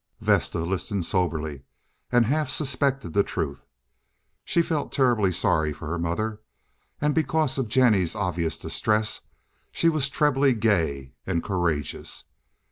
Vesta listened soberly and half suspected the truth. She felt terribly sorry for her mother, and, because of Jennie's obvious distress, she was trebly gay and courageous.